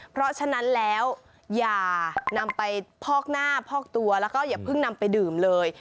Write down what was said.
เพราะฉะนั้นแล้วอย่านำไปพอกหน้าพอกตัวแล้วก็อย่าเพิ่งนำไปดื่มเลย